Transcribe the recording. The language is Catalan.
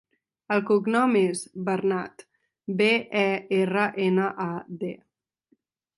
El cognom és Bernad: be, e, erra, ena, a, de.